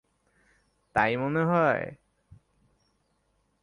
তাই মনে হয়?